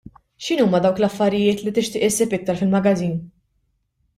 X'inhuma dawk l-affarijiet li tixtieq issib aktar fil-magażin?